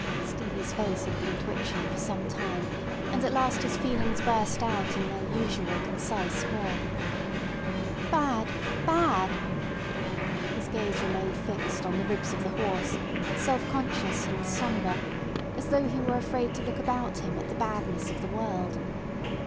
Stevie's face had been twitching for some time, and at last his feelings burst out in their usual concise form. "Bad! Bad!" His gaze remained fixed on the ribs of the horse, self conscious and sombre, as though he were afraid to look about him at the badness of the world.